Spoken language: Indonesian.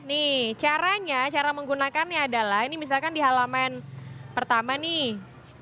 nih caranya cara menggunakannya adalah ini misalkan di halaman pertama nih